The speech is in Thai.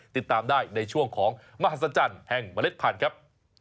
ติดตามได้ในช่วงของมหัศจรรย์แห่งเมล็ดพันธุ์ครับ